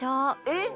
「えっ！